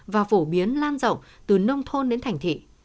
và phổ biến lan rộng từ nông thôn đến thành thị